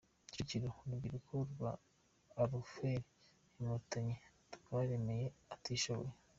Kicukiro: Urubyiruko rwa efuperi Inkotanyi rwaremeye utishoboye